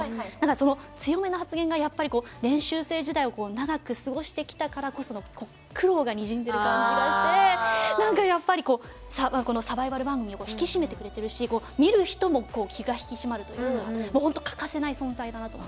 その強めな発言がやっぱり練習生時代を長く過ごしてきたからこその苦労がにじんでる感じがしてなんかやっぱりこうこのサバイバル番組を引き締めてくれてるし見る人も気が引き締まるというかもうホント欠かせない存在だなと思ってます。